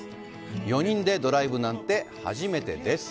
４人でドライブなんて初めてです。